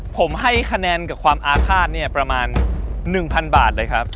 ผมให้คะแนนกับความอาฆาตเนี่ยประมาณ๑๐๐บาทเลยครับ